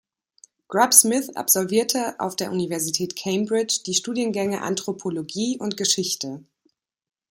Grub Smith absolvierte auf der Universität Cambridge die Studiengänge Anthropologie und Geschichte.